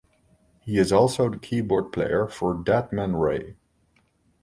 He is also the keyboard player for Dead Man Ray.